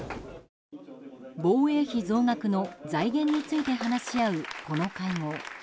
防衛費増額の財源について話し合う、この会合。